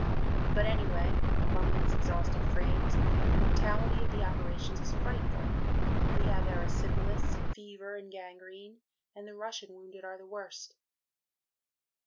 But, anyway, among these exhausted Frames, the mortality of the operations is frightful. We have Erysipelas, fever and gangrene, and the Russian wounded are the worst.